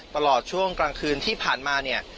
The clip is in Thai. ตลอดช่วงกลางคืนที่ผ่านมาเนี่ย